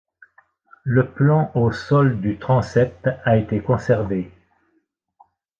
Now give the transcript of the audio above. Le plan au sol du transept a été conservé.